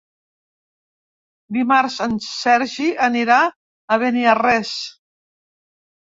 Dimarts en Sergi anirà a Beniarrés.